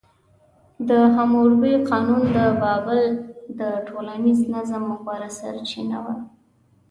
د حموربي قانون د بابل د ټولنیز نظم غوره سرچینه وه.